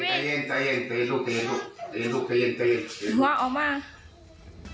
ใจเย็นใจเย็นใจเย็นลูกใจเย็นลูกใจเย็นลูกใจเย็นใจเย็น